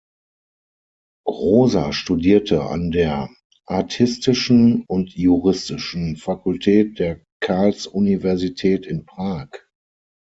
Rosa studierte an der artistischen und juristischen Fakultät der Karls-Universität in Prag.